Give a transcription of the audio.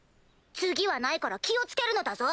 次はないから気を付けるのだぞ。